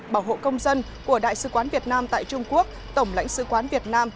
bảo hộ công dân của đại sứ quán việt nam tại trung quốc tổng lãnh sứ quán việt nam